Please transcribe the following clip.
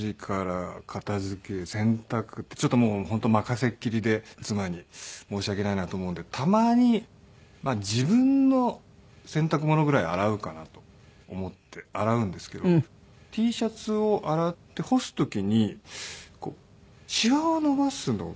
洗濯ちょっともう本当任せっきりで妻に申し訳ないなと思うんでたまに自分の洗濯物ぐらいは洗おうかなと思って洗うんですけどＴシャツを洗って干す時にシワを伸ばすのが。